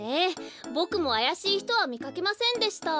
ボクもあやしいひとはみかけませんでした。